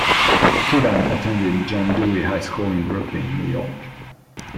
Kidan attended John Dewey High School in Brooklyn, New York.